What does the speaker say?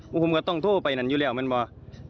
มุมผมก็ต้องโทษไปนั่นอยู่แล้วมันมา